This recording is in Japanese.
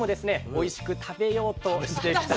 おいしく食べようとしてきた。